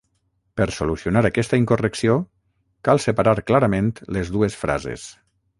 Per solucionar aquesta incorrecció cal separar clarament les dues frases.